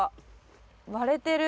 割れてる。